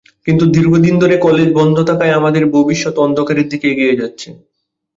কিন্তু দীর্ঘদিন ধরে কলেজ বন্ধ থাকায় আমাদের ভবিষ্যৎ অন্ধকারের দিকে এগিয়ে যাচ্ছে।